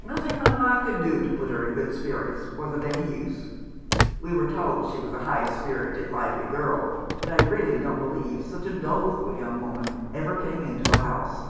Nothing my wife could do to put her in good spirits was of any use. We were told she was a high spirited, lively girl ; but I really don't believe such a doleful young woman ever came into a house."